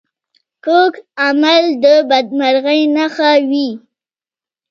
کوږ عمل د بدمرغۍ نښه وي